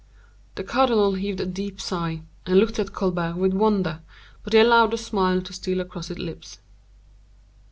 The cardinal heaved a deep sigh, and looked at Colbert with wonder, but he allowed a smile to steal across his lips.